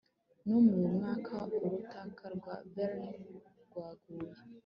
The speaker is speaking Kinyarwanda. Ni uwuhe mwaka Urukuta rwa Berlin rwaguye